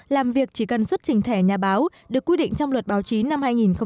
làm việc chỉ cần xuất trình thẻ nhà báo được quy định trong luật báo chí năm hai nghìn một mươi